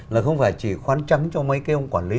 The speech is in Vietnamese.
là không phải chỉ khoán trắng cho mấy cái ông quản lý